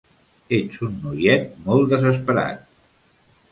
Ets un noiet molt desesperat.